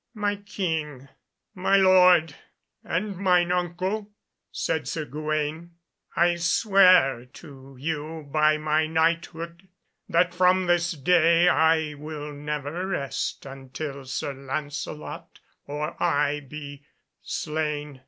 "My King, my lord and mine uncle," said Sir Gawaine, "I swear to you by my knighthood that from this day I will never rest until Sir Lancelot or I be slain.